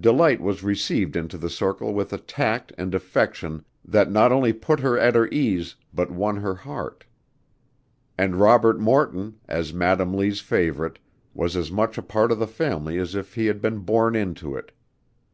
Delight was received into the circle with a tact and affection that not only put her at her ease but won her heart; and Robert Morton, as Madam Lee's favorite, was as much a part of the family as if he had been born into it.